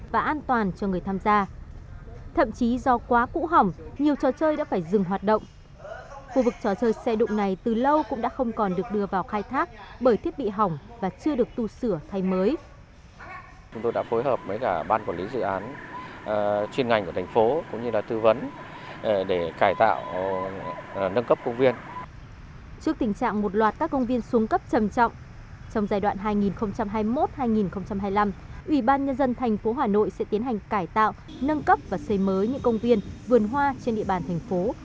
và xây mới những công viên vườn hoa trên địa bàn thành phố